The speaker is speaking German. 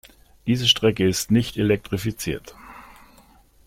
Diese Strecke ist nicht elektrifiziert.